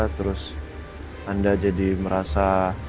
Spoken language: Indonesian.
terus anda jadi merasa